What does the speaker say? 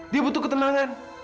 dia butuh ketenangan